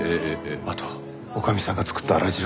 あと女将さんが作ったあら汁も絶品で。